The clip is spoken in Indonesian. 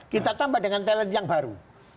kita tambah dengan talent yang baru